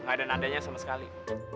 gak ada nadanya sama sekali